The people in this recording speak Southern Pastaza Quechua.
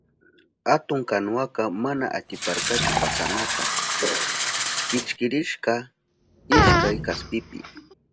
Atun kanuwaka mana atiparkachu pasanata, kichkirishka ishkay kaspipi.